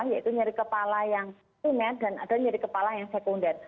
yaitu nyeri kepala yang tumet dan ada nyeri kepala yang sekunder